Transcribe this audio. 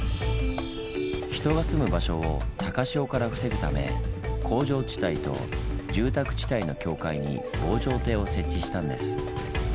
人が住む場所を高潮から防ぐため工場地帯と住宅地帯の境界に防潮堤を設置したんです。